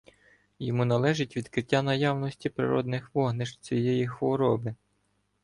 Йому належить відкриття наявності природних вогнищ цієї хвороби.